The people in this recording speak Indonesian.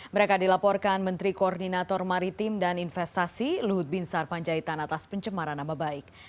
mereka dilaporkan menteri koordinator maritim dan investasi luhut bin sarpanjaitan atas pencemaran nama baik